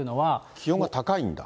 気温が高いんだ。